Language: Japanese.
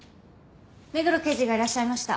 目黒刑事がいらっしゃいました。